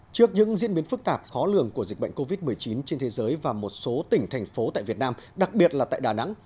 trước những diễn biến phức tạp khó lường của dịch bệnh covid một mươi chín trên thế giới và một số tỉnh thành phố tại việt nam đặc biệt là tại đà nẵng